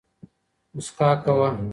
موسکا کوه